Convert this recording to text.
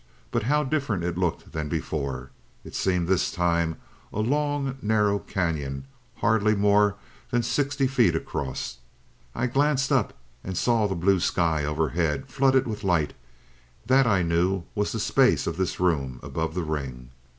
But how different it looked than before. It seemed this time a long, narrow cañon, hardly more than sixty feet across. I glanced up and saw the blue sky overhead, flooded with light, that I knew was the space of this room above the ring.